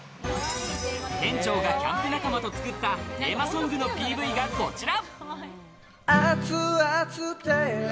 店長がキャンプ仲間と作ったテーマソングのＰＶがこちら。